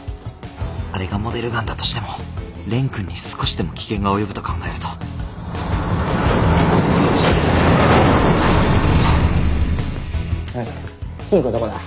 あれがモデルガンだとしても蓮くんに少しでも危険が及ぶと考えると金庫どこだ？